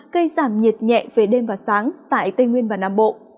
gây giảm nhiệt nhẹ về đêm và sáng tại tây nguyên và nam bộ